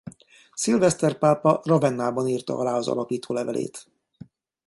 Szilveszter pápa Ravennában írta alá az alapítólevelét.